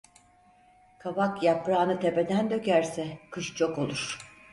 Kavak, yaprağını tepeden dökerse kış çok olur.